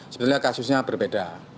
sebenarnya kasusnya berbeda